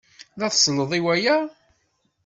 La tselled i waya?